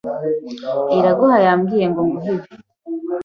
Iraguha yambwiye ngo nguhe ibi.